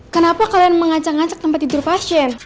kenapa kalian mengacak ngacak tempat tidur pasien